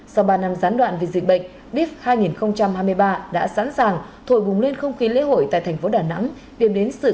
sau ba năm gián đoạn vì dịch bệnh dif hai nghìn hai mươi ba đã sẵn sàng thổi vùng lên không khí lễ hội tại thành phố đà nẵng đem đến sự kiện lễ hội hàng đầu châu á